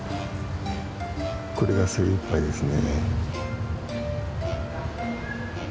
これが精いっぱいですね。